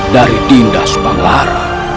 dari dinda subanglar